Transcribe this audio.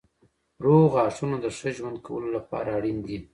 روغ غاښونه د ښه ژوند کولو لپاره اړین دي.